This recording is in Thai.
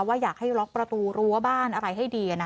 ว่าอยากให้ล็อกประตูรั้วบ้านอะไรให้ดี